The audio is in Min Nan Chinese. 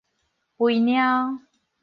肥貓